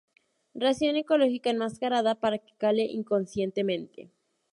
Ración ecológica enmascarada para que cale inconscientemente.